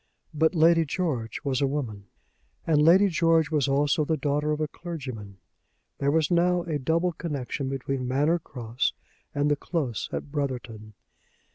But Lady George was a woman. And Lady George was also the daughter of a clergyman. There was now a double connexion between Manor Cross and the Close at Brotherton.